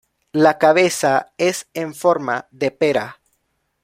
La cabeza es en forma de pera.